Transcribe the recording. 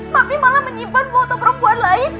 tapi malah menyimpan foto perempuan lain